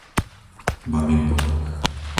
Babin Potok